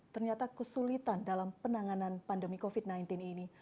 ternyata kesulitan dalam penanganan pandemi covid sembilan belas ini